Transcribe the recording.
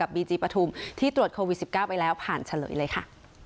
บีจีปฐุมที่ตรวจโควิด๑๙ไปแล้วผ่านเฉลยเลยค่ะ